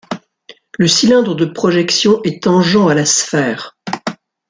Le cylindre de projection est tangent à la sphère.